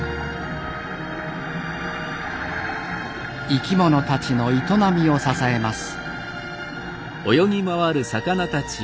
生き物たちの営みを支えます。